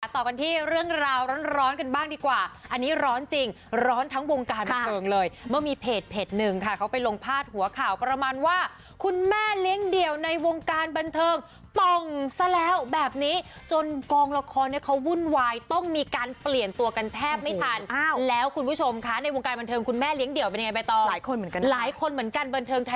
ต่อกันที่เรื่องราวร้อนร้อนกันบ้างดีกว่าอันนี้ร้อนจริงร้อนทั้งวงการบันเทิงเลยเมื่อมีเพจเพจหนึ่งค่ะเขาไปลงพาดหัวข่าวประมาณว่าคุณแม่เลี้ยงเดี่ยวในวงการบันเทิงต้องซะแล้วแบบนี้จนกองละครเนี้ยเขาวุ่นวายต้องมีการเปลี่ยนตัวกันแทบไม่ทันอ้าวแล้วคุณผู้ชมค่ะในวงการบันเทิงคุณแม่เลี้ยง